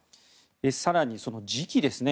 更に、時期ですね。